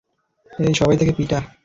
এই, সবাই তাকে পিটা।